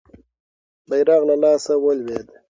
بیرغ له لاسه ولوېد.